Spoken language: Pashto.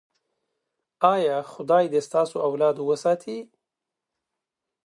ایا خدای دې ستاسو اولاد وساتي؟